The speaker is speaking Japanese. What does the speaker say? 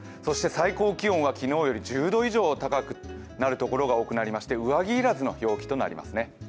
最高気温は昨日より１０度以上高くなるところが多くなりまして上着要らずの陽気となりますね。